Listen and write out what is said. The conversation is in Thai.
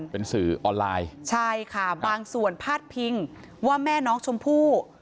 เป็นสื่อออนไลน์ใช่ค่ะบางส่วนพาดพิงว่าแม่น้องชมพู่